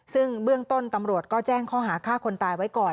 ซึ่งเบื้องต้นตำรวจก็แจ้งข้อหาฆ่าคนตายไว้ก่อน